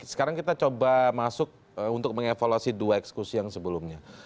sekarang kita coba masuk untuk mengevaluasi dua ekskusi yang sebelumnya